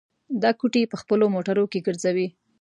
دا کوټې په خپلو موټرو کې ګرځوي.